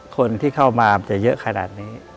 คนที่เข้ามาจะเยอะขนาดนี้